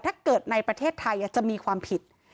ถ้าเกิดในประเทศไทยจะมีความผิด